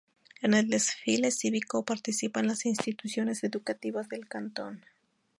En el desfile cívico participan las instituciones educativas del cantón.